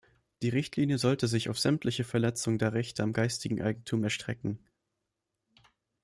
Die Richtlinie sollte sich auf sämtliche Verletzungen der Rechte an geistigem Eigentum erstrecken.